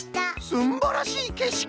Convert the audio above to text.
すんばらしいけしき！